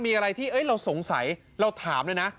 มีอะไรที่เราสงสัยเราถามเลยนะ